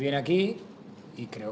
oke tidak ya